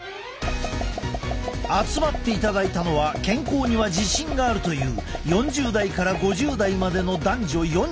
集まっていただいたのは健康には自信があるという４０代から５０代までの男女４１人。